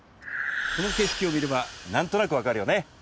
この景色を見ればなんとなくわかるよね。